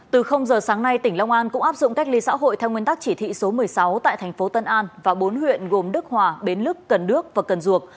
từ giờ sáng nay tỉnh long an cũng áp dụng cách ly xã hội theo nguyên tắc chỉ thị số một mươi sáu tại thành phố tân an và bốn huyện gồm đức hòa bến lức cần đước và cần duộc